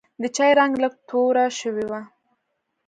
د چای رنګ لږ توره شوی و.